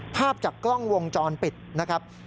ภาพจากกล้องวงจรปิดนะครับ